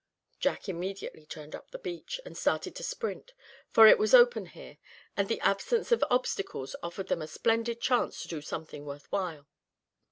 Jack immediately turned up the beach, and started to sprint, for it was open here, and the absence of obstacles offered them a splendid chance to do something worth while.